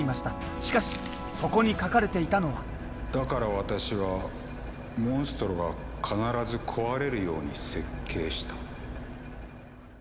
しかしそこに書かれていたのは「だから私はモンストロが必ず壊れるように設計した」。